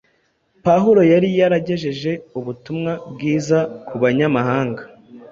Pawulo yari yaragejeje ubutumwa bwiza ku Banyamahanga,